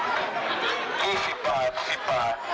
ทำไมอีก๒เดือนที่ผมจะวิ่งจนถึงเชียงราย